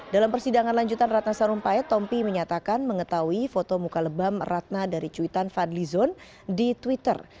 dalam persidangan lanjutan ratna sarumpait tompi menyatakan mengetahui foto muka lebam ratna dari cuitan fadli zon di twitter